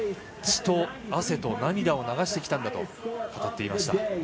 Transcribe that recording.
血と汗と涙を流してきたんだと語っていました。